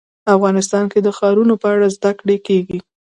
افغانستان کې د ښارونو په اړه زده کړه کېږي.